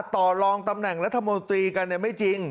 ต่อรองตำแหน่งรัฐมนตรีกันไม่จริง